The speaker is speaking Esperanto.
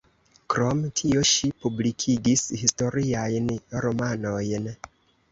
Krom tio ŝi publikigis historiajn romanojn.